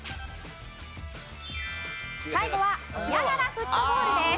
最後はホニャララフットボールです。